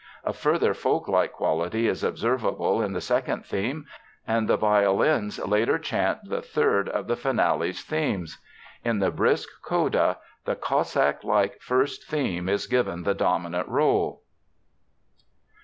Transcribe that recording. A further folk like quality is observable in the second theme, and the violins later chant the third of the finale's themes. In the brisk Coda the Cossack like first theme is given the dominant role.